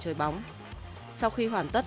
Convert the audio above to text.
chơi bóng sau khi hoàn tất